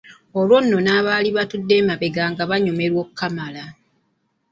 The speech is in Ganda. Olwo nno n'abaali batudde emabega nga banyumirwa okukamala.